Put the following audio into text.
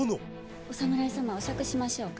お侍様お酌しましょうか。